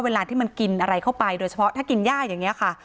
เวลาที่มันกินอะไรเข้าไปโดยเฉพาะถ้ากินย่าอย่างนี้ค่ะ